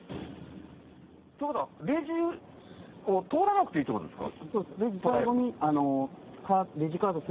ということはレジを通らなくていいということですか？